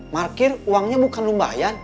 markir uangnya bukan lumayan